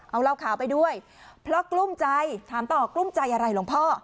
เอาเหล้าขาวไปด้วยเพราะกลุ้มใจถามต่อกลุ้มใจอะไรหลวงพ่อ